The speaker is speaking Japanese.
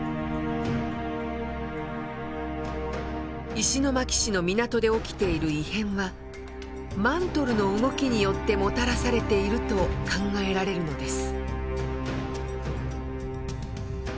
石巻市の港で起きている異変はマントルの動きによってもたらされていると考えられるのです。